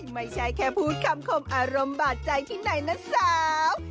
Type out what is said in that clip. ไม่ใช่แค่พูดคำคมอารมณ์บาดใจที่ไหนนะสาว